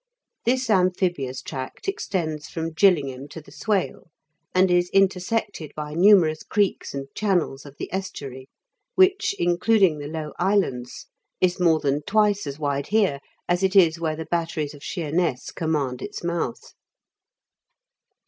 This amphibious tract extends from Gillingham to the Swale, and is intersected by numerous creeks and channels of the estuary, which, including the low islands, is more than twice THE BOMAN POTTERIES. 75 as wide here as it is where the batteries of Sheemess command its mouth.